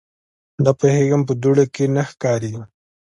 _نه پوهېږم، په دوړو کې نه ښکاري.